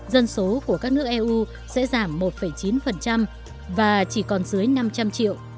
dân số của các nước eu sẽ giảm một chín và chỉ còn dưới năm trăm linh triệu